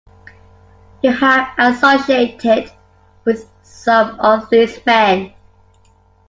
You have associated with some of these men.